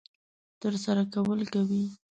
ترسره کول کوي.